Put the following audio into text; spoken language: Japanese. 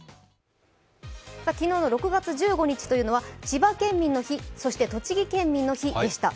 昨日の６月１５日というのは千葉県民の日、そして栃木県民の日でした。